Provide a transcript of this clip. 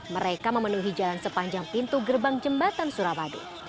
mereka memenuhi jalan sepanjang pintu gerbang jembatan surabadu